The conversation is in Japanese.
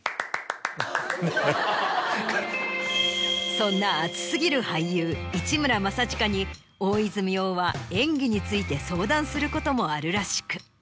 そんな熱過ぎる俳優市村正親に大泉洋は演技について相談することもあるらしく。